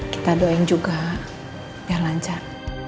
kita doain juga biar lancar